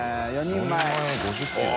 「４人前５０切れ」